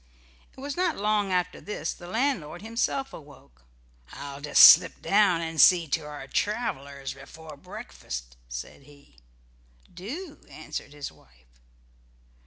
It was not long after this the landlord himself awoke. "I'll just slip down and see to the travelers before breakfast," said he. "Do," answered his wife.